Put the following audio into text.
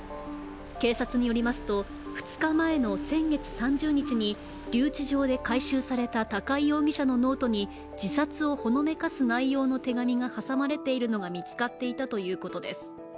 警察によりますと、２日前の先月３０日に留置場で回収された高井容疑者のノートに自殺をほのめかす内容の手紙が挟まれているのが見つかっていたということです。